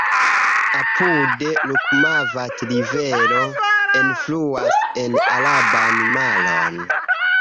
Apude, Rukmavati-Rivero enfluas en Araban Maron.